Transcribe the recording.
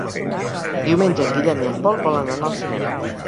Diumenge en Guillem i en Pol volen anar al cinema.